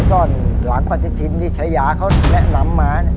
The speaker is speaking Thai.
ซ่อนหลังปฏิทินที่ชายาเขาแนะนำมา